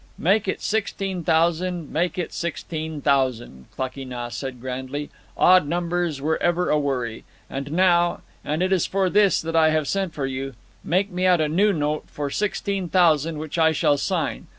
"Make it sixteen thousand, make it sixteen thousand," Klakee Nah said grandly. "Odd numbers were ever a worry. And now—and it is for this that I have sent for you—make me out a new note for sixteen thousand, which I shall sign.